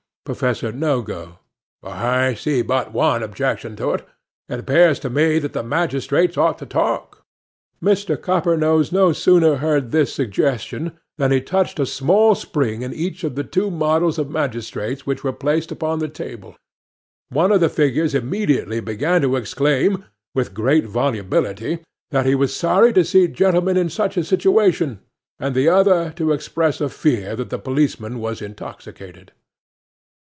'PROFESSOR NOGO.—I see but one objection to it. It appears to me that the magistrates ought to talk. 'MR. COPPERNOSE no sooner heard this suggestion than he touched a small spring in each of the two models of magistrates which were placed upon the table; one of the figures immediately began to exclaim with great volubility that he was sorry to see gentlemen in such a situation, and the other to express a fear that the policeman was intoxicated.